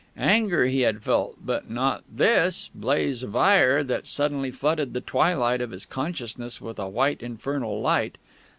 Anger he had felt, but not this blaze of ire that suddenly flooded the twilight of his consciousness with a white infernal light.